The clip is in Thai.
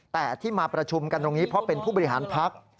แต่ที่มาประชุมกันตรงนี้เพราะเป็นผู้บริหารพัก